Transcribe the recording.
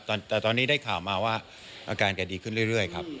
แต่ตอนนี้ได้ข่าวมาว่าอาการแกดีขึ้นเรื่อยครับ